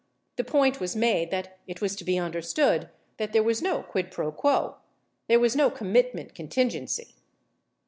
The point was made that it was to be understood that there was no quid fro quo , there was no commitment contingency.